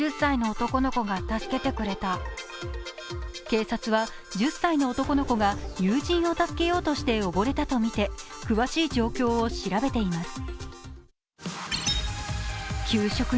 警察は１０歳の男の子が友人を助けようとして溺れたと見て、詳しい状況を調べています。